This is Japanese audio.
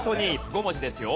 ５文字ですよ。